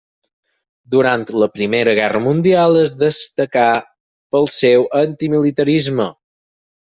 Durant la Primera Guerra Mundial es destacà pel seu antimilitarisme.